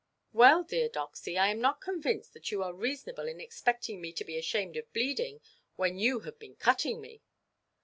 "Well, dear Doxy, I am not convinced that you are reasonable in expecting me to be ashamed of bleeding when you have been cutting me."